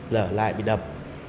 lỡ lại bị đập